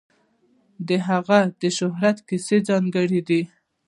د هغه د شهرت کیسه ځانګړې ده.